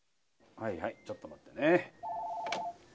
はいはい、ちょっと待っててね。